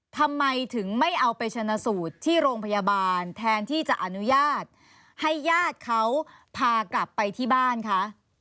ทำไมถึงไม่เอาไปชนะสูตรที่โรงพยาบาลแทนที่จะอนุญาตให้ญาติเขาพากลับไปที่บ้านคะ